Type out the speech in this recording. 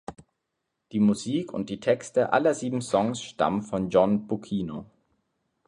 Die Musik und die Texte aller sieben Songs stammen von John Bucchino.